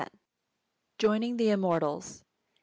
X. JOINING THE IMMORTALS.